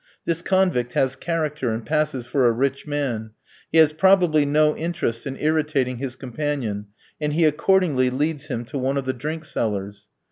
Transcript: This convict has character, and passes for a rich man; he has probably no interest in irritating his companion, and he accordingly leads him to one of the drink sellers.